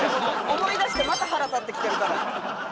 思い出してまた腹立ってきてるから。